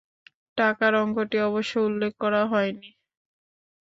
টাকার অঙ্কটি অবশ্য উল্লেখ করা হয় নি।